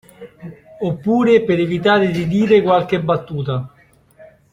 Oppure per evitare di dire qualche battuta.